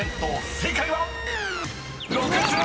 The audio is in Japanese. ［正解は⁉］